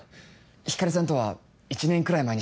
光莉さんとは１年くらい前に。